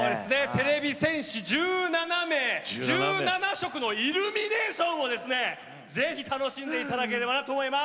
てれび戦士１７名１７色のイルミネーションをぜひ楽しんでいただければと思います。